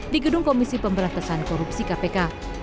di gedung komisi pemberantasan korupsi kpk